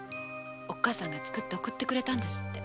おっ母さんが作って送ってくれたんですって。